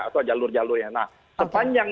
atau jalur jalurnya nah sepanjang